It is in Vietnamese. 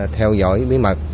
theo dõi bí mật